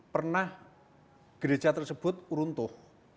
pernah gereja tersebut runtuh